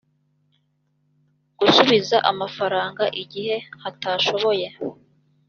gusubiza amafaranga igihe hatashoboye